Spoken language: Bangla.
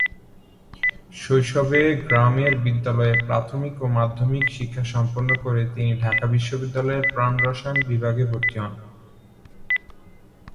শৈশবে গ্রামের বিদ্যালয়ে প্রাথমিক ও মাধ্যমিক শিক্ষা সম্পন্ন করে তিনি ঢাকা বিশ্ববিদ্যালয়ের প্রাণ রসায়ন বিভাগে ভর্তি হন।